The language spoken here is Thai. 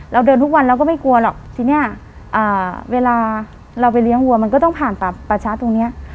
เราเดินทุกวันเราก็ไม่กลัวหรอกทีนี้เวลาเราไปเลี้ยงวัวมันก็ต้องผ่านป่าป่าช้าตรงเนี้ย